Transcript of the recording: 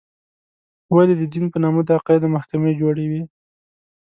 ولې د دین په نامه د عقایدو محکمې جوړې وې.